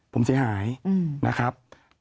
ผมเสียหายนะครับ